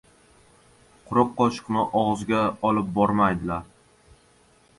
• Quruq qoshiqni og‘izga olib bormaydilar.